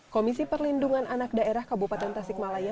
komisi perlindungan anak daerah kabupaten tasikmalaya